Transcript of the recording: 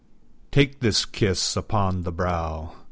Take this kiss upon the brow!